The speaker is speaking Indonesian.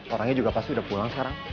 orangnya juga pasti udah pulang sekarang